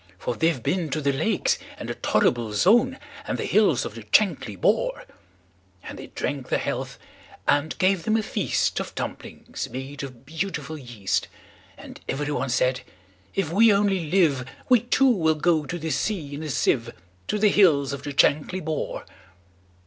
For they've been to the Lakes, and the Torrible Zone, And the hills of the Chankly Bore."And they drank their health, and gave them a feastOf dumplings made of beautiful yeast; And every one said, "If we only live, We, too, will go to sea in a sieve, To the hills of the Chankly Bore."